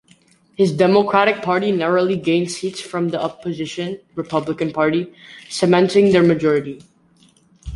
His Democratic Party narrowly gained seats from the opposition Republican Party, cementing their majority.